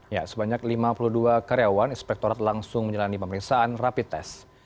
ya sebanyak lima puluh dua karyawan inspektorat langsung menjalani pemeriksaan rapi tes